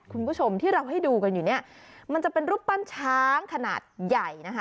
คุณผู้ชมที่เราให้ดูกันอยู่เนี่ยมันจะเป็นรูปปั้นช้างขนาดใหญ่นะคะ